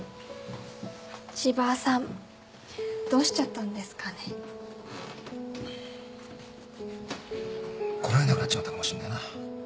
千葉さんどうしちゃったんですかね。来られなくなっちまったかもしんねえな。